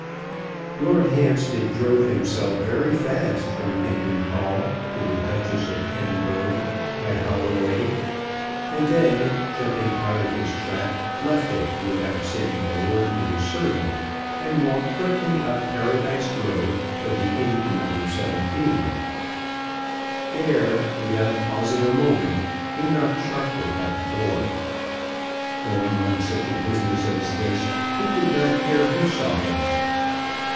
Lord Hampstead drove himself very fast from Hendon Hall to the "Duchess of Edinburgh" at Holloway, and then, jumping out of his trap, left it without saying a word to his servant, and walked quickly up Paradise Row till he came to No. 17. There, without pausing a moment, he knocked sharply at the door. Going on such a business as this, he did not care who saw him.